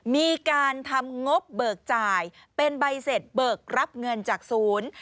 มีการทำงบเบิกจ่ายเป็นใบเสร็จเบิกรับเงินจากศูนย์